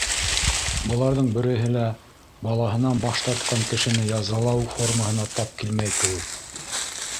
Быларҙың береһе лә балаһынан баш тартҡан кешене язалау формаһына тап килмәй кеүек.